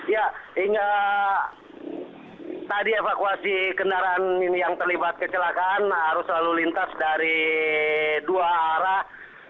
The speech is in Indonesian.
ya hingga tadi evakuasi kendaraan ini yang terlibat kecelakaan arus lalu lintas dari dua arah